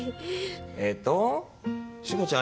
えっと志保ちゃん